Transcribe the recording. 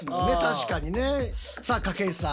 さあ筧さん